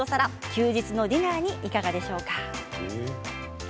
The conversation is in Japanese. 休日のディナーにいかがでしょうか。